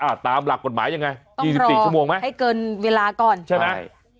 อ่ะตามหลักกฎหมายยังไงต้องรอให้เกินเวลาก่อนใช่ไหม